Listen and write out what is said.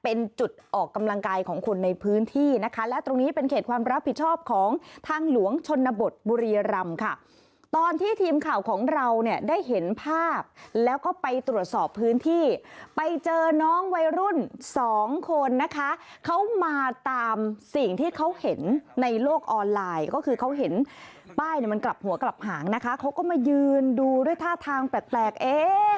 เป็นจุดออกกำลังกายของคนในพื้นที่นะคะและตรงนี้เป็นเขตความรับผิดชอบของทางหลวงชนบทบุรีรำค่ะตอนที่ทีมข่าวของเราเนี่ยได้เห็นภาพแล้วก็ไปตรวจสอบพื้นที่ไปเจอน้องวัยรุ่นสองคนนะคะเขามาตามสิ่งที่เขาเห็นในโลกออนไลน์ก็คือเขาเห็นป้ายเนี่ยมันกลับหัวกลับหางนะคะเขาก็มายืนดูด้วยท่าทางแปลกเอ๊